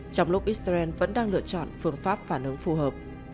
trong lúc israel vẫn đang lựa chọn phương pháp phản ứng phù hợp